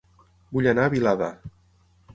Vull anar a Vilada